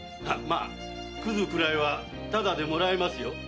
まあ屑くらいはただでもらえますよ。